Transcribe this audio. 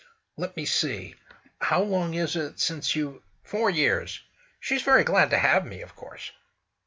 "Let me see—how long is it since you——?" "Four years. She's very glad to have me, of course."